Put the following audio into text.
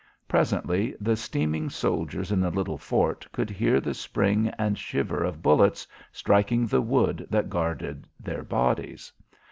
Presently the steaming soldiers in the little fort could hear the sping and shiver of bullets striking the wood that guarded their bodies.